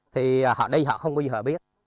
thì họ đi họ không có gì họ biết